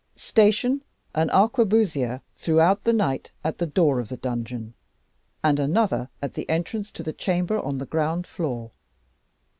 Station an arquebusier throughout the night at the door of the dungeon, and another at the entrance to the chamber on the ground floor.